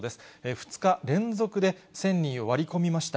２日連続で１０００人を割り込みました。